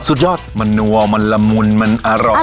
สุดยอดมันนัวมันละมุนมันอร่อย